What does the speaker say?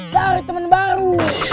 cari temen baru